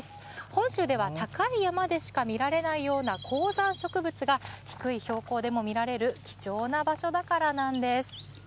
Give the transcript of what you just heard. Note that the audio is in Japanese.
本州では高い山でしか見られないような高山植物が、低い標高でも見られる貴重な場所だからなんです。